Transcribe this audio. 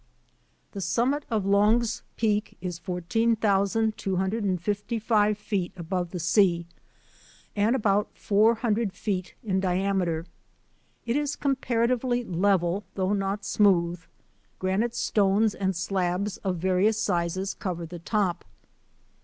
The summit of Long's Peak is 14,255 feet above the sea and about four hundred feet in diameter. It is comparatively level though not smooth. Granite stones and slabs of various sizes cover the top.